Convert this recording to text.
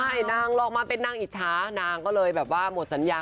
ใช่นางลองมาเป็นนางอิจฉานางก็เลยแบบว่าหมดสัญญา